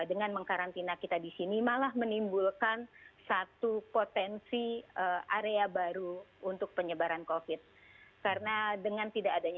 dengan mengkarantina kita di sini malah menimbulkan satu potensi area baru untuk penyebaran covid